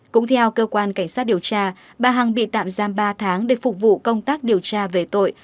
cũng theo cơ quan cảnh sát điều tra bà hằng bị tạm giam ba tháng để phục vụ công tác điều tra về tội